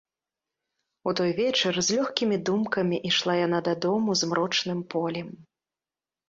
У той вечар з лёгкімі думкамі ішла яна дадому змрочным полем.